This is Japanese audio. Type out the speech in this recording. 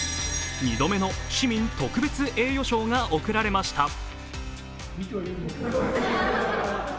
２度目の市民特別栄誉賞が贈られました。